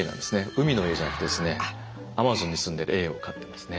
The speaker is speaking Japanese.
海のエイじゃなくてですねアマゾンに住んでるエイを飼ってますね。